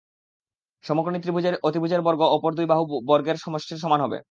সমকোণী ত্রিভুজের অতিভুজের বর্গ অপর দুই বাহুর বর্গের সমষ্টির সমান হবে।